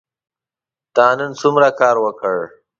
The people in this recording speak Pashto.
تا نن څومره کار وکړ ؟